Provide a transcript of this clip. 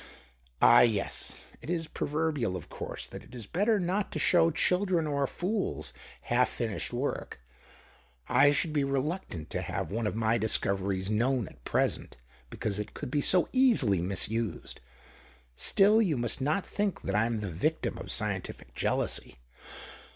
" Ah, yes ; it is proverbial, of course, that it is better not to show children or fools half finished work ! I should be reluctant to have one of my discoveries known at present, because it could be so easily misused. Still, you must not think that I'm the victim of scientific jealousy.